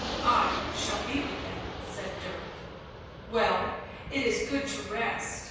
" I shall be with them," said Dirk. " Well, it is good to rest.